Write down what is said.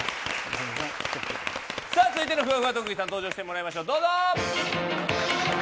続いてのふわふわ特技さん登場してもらいましょう。